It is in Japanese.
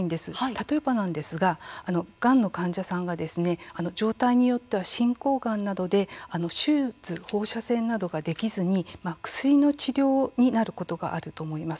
例えばこの患者さんなど状態によっては進行がんなどで手術、放射線などができずに薬の治療になることがあると思います。